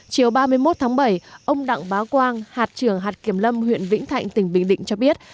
chiều ba mươi một tháng bảy ông đặng bá quang hạt trưởng hạt kiểm lâm huyện vĩnh thạnh tỉnh bình định cho biết